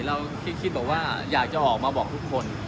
ที่คิดบอกว่าอยากจะออกมาบอกทุกคน